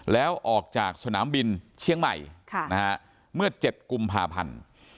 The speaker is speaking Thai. แล้วออกจากสนามบินเชียงใหม่เมื่อ๗กุมภาพันธ์